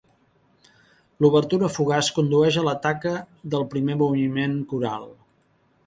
L'obertura fugaç condueix a l'attacca del primer moviment coral.